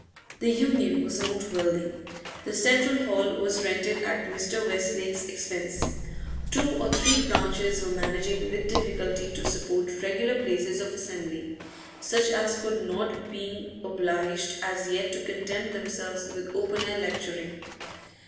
The Union was not wealthy. The central hall was rented at Mr. Westlake's expense; two or three branches were managing with difficulty to support regular places of assembly, such as could not being obliged as yet to content themselves with open air lecturing.